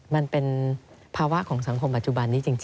มันเป็นภาวะของสังคมปัจจุบันนี้จริง